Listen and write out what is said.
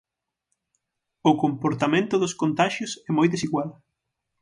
O comportamento dos contaxios é moi desigual.